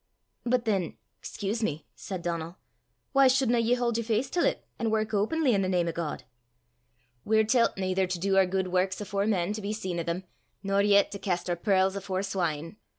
"But then excuse me," said Donal, " why shouldna ye haud yer face til 't, an' wark openly, i' the name o' God?" "We're tellt naither to du oor guid warks afore men to be seen o' them, nor yet to cast oor pearls afore swine.